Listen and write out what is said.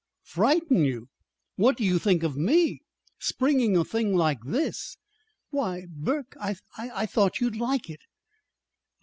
"Frighten you! What do you think of me? springing a thing like this!" "Why, Burke, I I thought you'd like it."